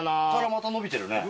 また伸びてるね。